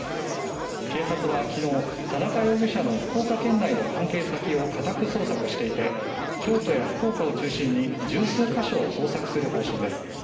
警察は昨日、田中容疑者の福岡県内の関係先を家宅捜索していて京都や福岡を中心に１０数か所を捜索する方針です。